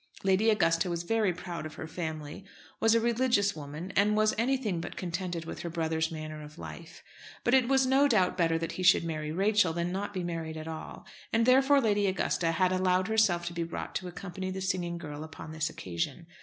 Lady Augusta was very proud of her family, was a religious woman, and was anything but contented with her brother's manner of life. But it was no doubt better that he should marry Rachel than not be married at all; and therefore Lady Augusta had allowed herself to be brought to accompany the singing girl upon this occasion.